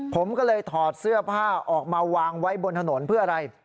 ผมก็เลยถอดเสื้อผ้าออกมาวางไว้บนถนนเพื่ออะไร